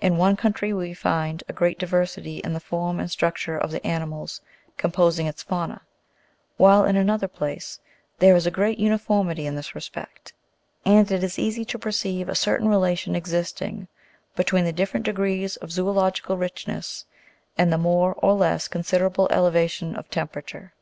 In one country we find a great diversity in the form and structure of the animals composing its fauna, while in another place, there is great uniformity in this respect ; and it is easy to perceive a certain relation existing between the different degrees of zoological richness, and the more or less considerable eleva tion of temperature.